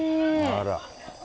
あら。